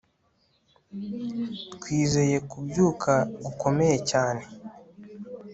Twizeye kubyuka gukomeye cyane